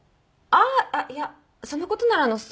あっいやそのことならあのそんな気に。